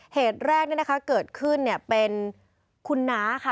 เหตุแรกนี้นะคะเกิดขึ้นเป็นคุณน้าค่ะ